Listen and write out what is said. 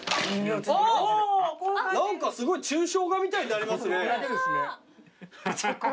何かすごい抽象画みたいになりますね。